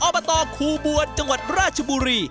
อบตคูบัวจังหวัดราชบุรี